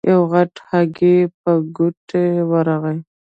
يو غټ هډوکی په ګوتو ورغی.